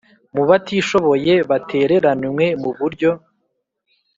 Mu batishoboye batereranwe mu buryo